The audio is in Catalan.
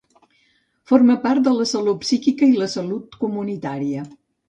Forma part de la salut psíquica i la salut comunitària.